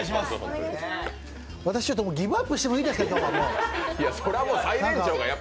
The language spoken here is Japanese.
私、今日ギブアップしてもいいですか？